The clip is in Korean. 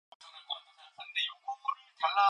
일하던 농민들은 약조나 한 듯이 일시에 시선이 마주쳤다.